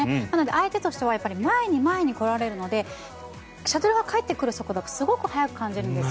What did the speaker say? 相手としては前に前に来られるのでシャトルが返ってくる速度がすごく速く感じるんです。